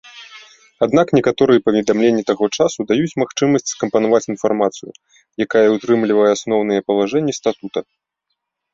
Аднак некаторыя паведамленні таго часу даюць магчымасць скампанаваць інфармацыю, якая ўтрымлівае асноўныя палажэнні статута.